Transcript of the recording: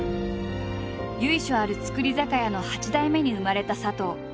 由緒ある造り酒屋の８代目に生まれた佐藤。